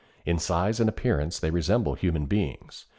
In size and appearance they resemble human beings.